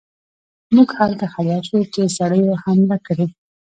موږ هلته خبر شو چې سړیو حمله کړې.